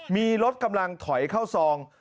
มีรถกำลังถอยเข้าซอง